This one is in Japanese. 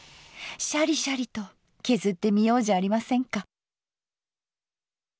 シャリシャリと削ってみようじゃありませんか。